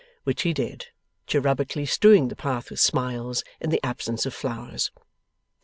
Which he did, cherubically strewing the path with smiles, in the absence of flowers.